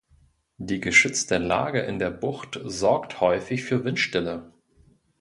Die geschützte Lage in der Bucht sorgt häufig für Windstille.